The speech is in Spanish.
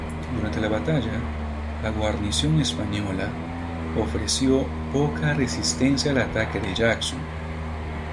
Durante la batalla, la guarnición española ofreció poca resistencia al ataque de Jackson.